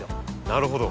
なるほど。